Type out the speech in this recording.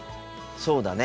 そうだね。